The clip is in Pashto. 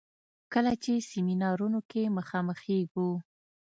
کله په سيمينارونو کې مخامخېږو.